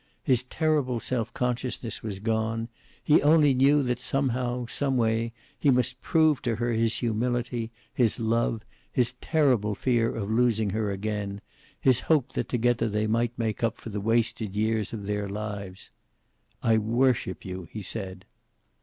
His terrible self consciousness was gone. He only knew that, somehow, some way, he must prove to her his humility, his love, his terrible fear of losing her again, his hope that together they might make up for the wasted years of their lives. "I worship you," he said.